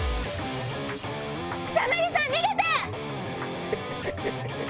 草薙さん、逃げて！